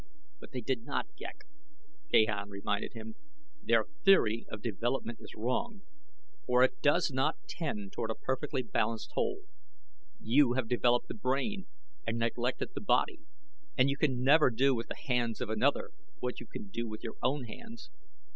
"But they did not, Ghek," Gahan reminded him. "Their theory of development is wrong, for it does not tend toward a perfectly balanced whole. You have developed the brain and neglected the body and you can never do with the hands of another what you can do with your own hands.